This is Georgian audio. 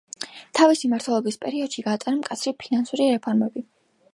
თავისი მმართველობის პერიოდში გაატარა მკაცრი ფინანსური რეფორმები.